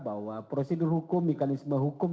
bahwa prosedur hukum mekanisme hukum